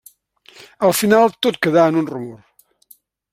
Al final tot quedà en un rumor.